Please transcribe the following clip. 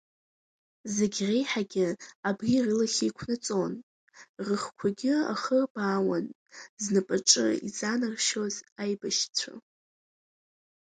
Зегь реиҳагьы абри рылахь еиқәнаҵон, рыхқәагьы ахырбаауан знапаҿы изанаршьоз аибашьцәа.